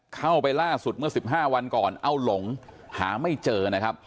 เข้าไปล่าสุดเมื่อ๑๕วันก่อนเอาหลงหาไม่เจอนะครับ